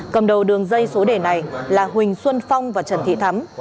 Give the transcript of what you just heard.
cầm đầu đường dây số đề này là huỳnh xuân phong và trần thị thắm